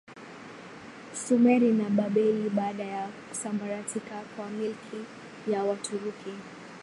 Sumeri na Babeli Baada ya kusambaratika kwa milki ya Waturuki